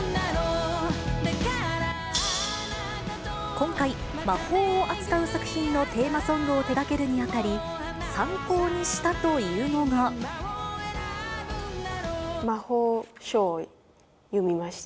今回、魔法を扱う作品のテーマソングを手がけるにあたり、参考にしたと魔法書を読みました。